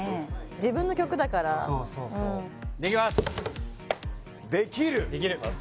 自分の曲だからできます